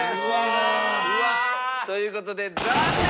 うわー！という事で残念！